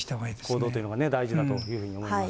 行動というのが大事だというふうに思います。